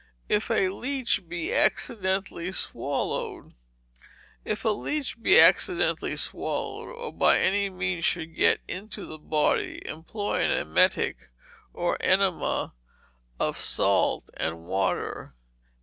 If a Leech be Accidentally Swallowed, If a leech be accidentally swallowed, or by any means should get into the body, employ an emetic, or enema of salt and water.